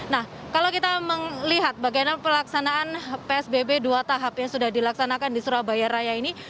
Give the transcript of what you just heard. nah kalau kita melihat bagaimana pelaksanaan psbb dua tahap yang sudah dilaksanakan di surabaya raya ini